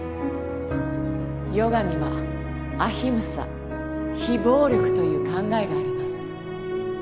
ヨガにはアヒムサ非暴力という考えがあります